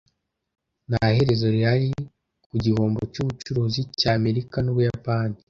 Nta herezo rihari ku gihombo cy’ubucuruzi cy’Amerika n’Ubuyapani.